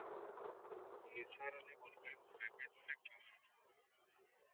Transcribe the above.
নিসার আলি বললেন, ব্যাপারটা কী?